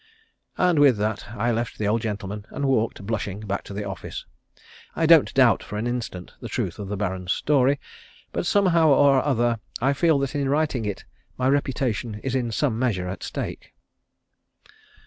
And with that I left the old gentleman and walked blushing back to the office. I don't doubt for an instant the truth of the Baron's story, but somehow or other I feel that in writing it my reputation is in some measure at stake.